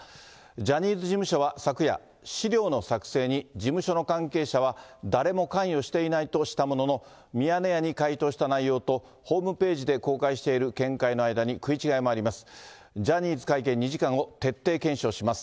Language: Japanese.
ジャニーズ事務所は昨夜、資料の作成に事務所の関係者は誰も関与していないとしたものの、ミヤネ屋に回答した内容と、ホームページで公開している見解の間に食い違いもあります。